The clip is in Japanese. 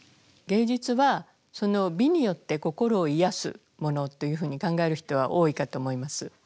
芸術はその美によって心を癒やすものというふうに考える人は多いかと思います。